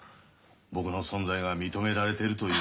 僕の存在が認められてるというか。